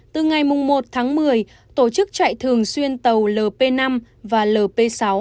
từ ngày một tháng một mươi tổ chức chạy thường xuyên tàu lp năm và lp sáu